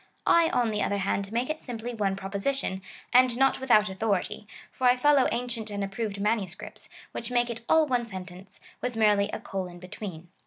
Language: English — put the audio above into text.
I, on the other hand, make it simply one proposition, and not without authority, for I follow ancient and approved manuscripts, which make it all one sentence, with merely a colon between.